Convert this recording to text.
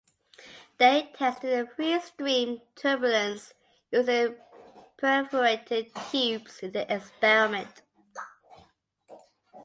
They tested the free stream turbulence using perforated tubes in their experiment.